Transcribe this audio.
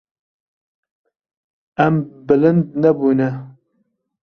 Em bilind nebûne.